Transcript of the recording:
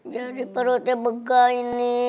jadi perutnya begah ini